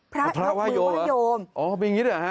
พระพระว่ายโยมเหรออ๋อมีอย่างนี้เหรอฮะ